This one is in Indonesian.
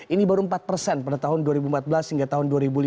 ini baru empat persen pada tahun dua ribu empat belas hingga tahun dua ribu lima belas